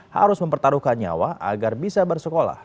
harus mempertaruhkan nyawa agar bisa bersekolah